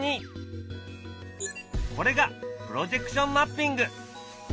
これがプロジェクションマッピング。